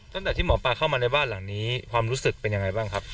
ตั้งแต่ที่หมอปลาเข้ามาในบ้านหลังนี้ความรู้สึกเป็นยังไงบ้างครับ